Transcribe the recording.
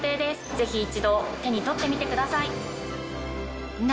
ぜひ一度手に取ってみてください。